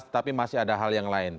tapi masih ada hal yang lain